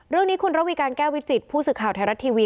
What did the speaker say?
เรื่องนี้คุณระวีการแก้ววิจิตผู้สื่อข่าวไทยรัฐทีวี